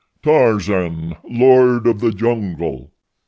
Tarzan, Lord of the Jungle!"